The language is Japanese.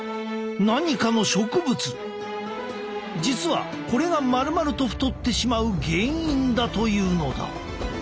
実はこれがまるまると太ってしまう原因だというのだ。